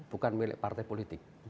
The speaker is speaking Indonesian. bukan milik partai politik